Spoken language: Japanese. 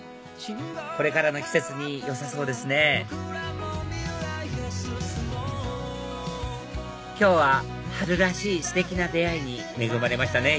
これからの季節によさそうですね今日は春らしいステキな出会いに恵まれましたね